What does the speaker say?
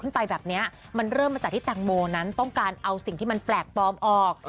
ไปแบบนี้มันเริ่มมาจากที่แตงโมนั้นต้องการเอาสิ่งที่มันแปลกปลอมออก